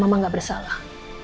mama gak salah